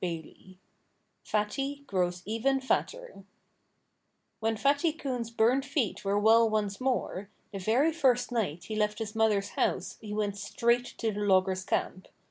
XIX FATTY GROWS EVEN FATTER When Fatty Coon's burned feet were well once more, the very first night he left his mother's house he went straight to the loggers' camp.